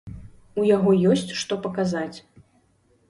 У яго ёсць што паказаць.